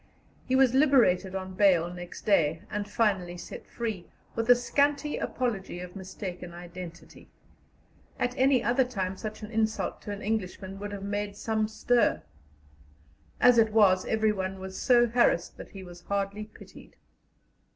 He was liberated on bail next day, and finally set free, with a scanty apology of mistaken identity. At any other time such an insult to an Englishman would have made some stir; as it was, everyone was so harassed that he was hardly pitied.